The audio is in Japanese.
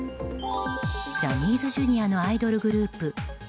ジャニーズＪｒ．のアイドルグループ７